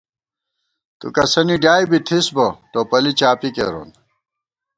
تُو کسَنی ڈیائی بی تھِس بہ، ٹوپَلی چاپی کېرون